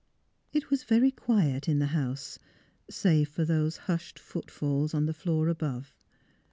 It was very quiet in the house, save for those hushed footfalls on the floor above.